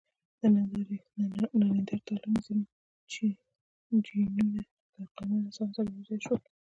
د نیاندرتالانو ځینې جینونه د عقلمن انسانانو سره یو ځای شول.